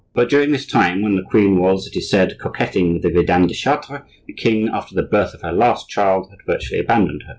But during this time when the queen was, it is said, coquetting with the Vidame de Chartres, the king, after the birth of her last child, had virtually abandoned her.